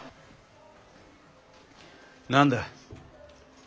何だ？